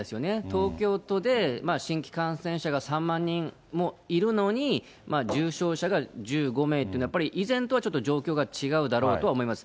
東京都で新規感染者が３万人もいるのに、重症者が１５名というのは、やっぱり以前とは状況が違うだろうとは思います。